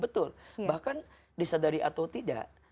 betul bahkan disadari atau tidak